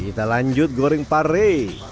kita lanjut goreng pare